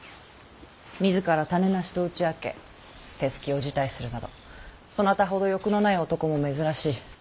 自ら種無しと打ち明け手つきを辞退するなどそなたほど欲のない男も珍しい。